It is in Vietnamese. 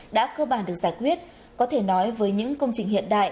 đã cơ bản được giải quyết có thể nói với những công trình hiện đại